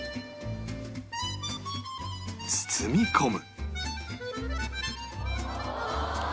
包み込む